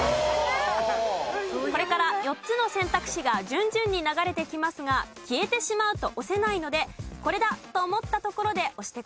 これから４つの選択肢が順々に流れてきますが消えてしまうと押せないので「これだ！」と思ったところで押してください。